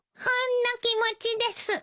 ほんの気持ちです。